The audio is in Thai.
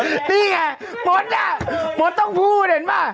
นี่ไงมดอ่ะหมดต้องพูดเห็นป่ะ